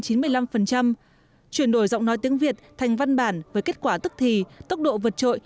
chuyển đổi giọng nói tiếng việt thành văn bản với kết quả tức thì tốc độ vật trội